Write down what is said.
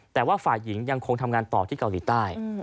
แต่ว่าฝ่ายหญิงยังคงทำงานต่อที่เกาหลีใต้